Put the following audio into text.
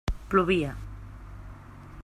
Plovia.